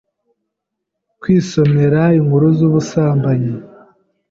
kwisomera inkuru z’ubusambanyi.